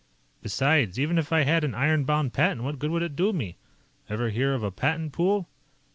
"Besides, even if I had an iron bound patent, what good would it do me? Ever hear of a patent pool?"